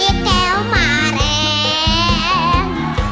ไอ้แก้วหมาแรง